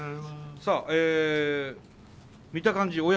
さあ見た感じ